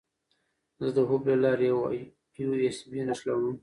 زه د هب له لارې یو ایس بي نښلوم.